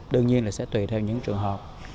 đương nhiên là sẽ tùy theo những trường hợp